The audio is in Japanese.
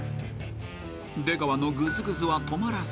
［出川のぐずぐずは止まらず］